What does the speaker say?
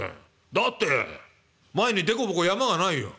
だって前に凸凹山がないよ」。